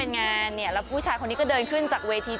งานเนี่ยแล้วผู้ชายคนนี้ก็เดินขึ้นจากเวที